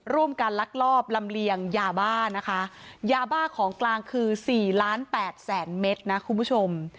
การลักลอบลำเลียงยาบ้านะคะยาบ้าของกลางคือสี่ล้านแปดแสนเมตรนะคุณผู้ชม